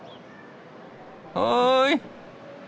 おい！